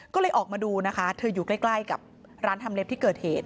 ก็เลยออกมาดูนะคะเธออยู่ใกล้กับร้านทำเล็บที่เกิดเหตุ